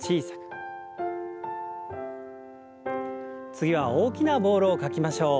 次は大きなボールを描きましょう。